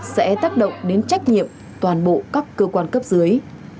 sẽ tác động đến trách nhiệm toàn bộ các cơ quan cấp dưới